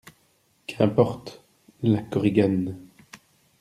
Qu'importe ? LA KORIGANE.